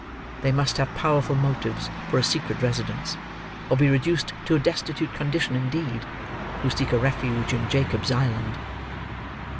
They must have powerful motives for a secret residence, or be reduced to a destitute condition indeed, who seek a refuge in Jacob's Island.